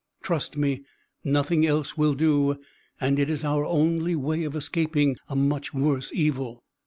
Trust me, nothing else will do, and it is our only way of escaping a much worse evil."